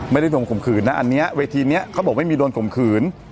ไม่ได้โดนข่มขืนนะอันนี้เวทีนี้เขาบอกไม่มีโดนข่มขืน